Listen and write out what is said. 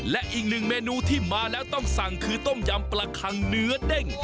และอีกหนึ่งเมนูที่มาแล้วต้องสั่งคือต้มยำปลาคังเนื้อเด้ง